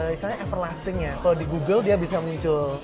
misalnya everlasting ya kalau di google dia bisa muncul